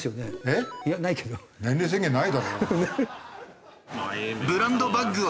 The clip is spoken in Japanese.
えっ？年齢制限ないだろ。